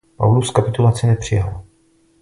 Paulus kapitulaci nepřijal.